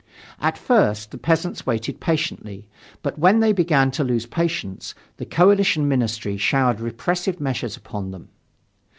At first the peasants waited patiently, but when they began to lose patience, the coalition ministry showered repressive measures upon them.